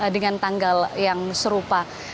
dengan tanggal yang serupa